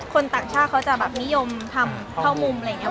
คนต่างชาติเค้าจะไม่ยอมทำเข้ามุมอะไรเงี้ย